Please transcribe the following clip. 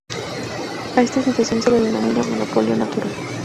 A esta situación se la denomina monopolio natural.